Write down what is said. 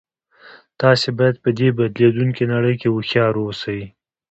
تاسې باید په دې بدلیدونکې نړۍ کې هوښیار اوسئ